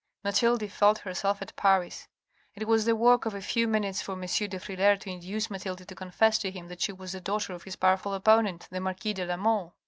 Mathilde felt herself at Paris. It was the work of a few minutes for M. de Frilair to induce Mathilde to confess to him that she was the daughter of his powerful opponent, the marquis de la Mole.